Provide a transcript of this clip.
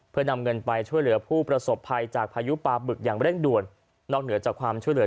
เพื่อนำเงินไปช่วยเหลือผู้ประสบภัยจากพายุปลาบึกอย่างเร่งด่วนนอกเหนือจากความช่วยเหลือ